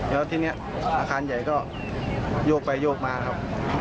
แล้วทีนี้อาคารใหญ่ก็โยกไปโยกมาครับ